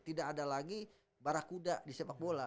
tidak ada lagi barah kuda di sepak bola